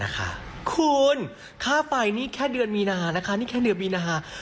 คุณค่าไฟนี่แค่เดือนมีนานะคะนี่แค่เดือนมีนา